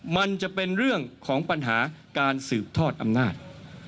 มันจะเป็นเรื่องของปัญหาการสืบทอดอำนาจ